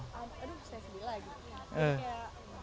aduh saya sedih lagi